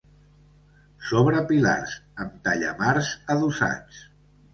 Sobre pilars, amb tallamars adossats.